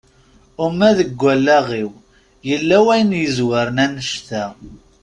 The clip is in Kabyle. Uma deg wallaɣ-iw yella wayen yezwaren annect-a.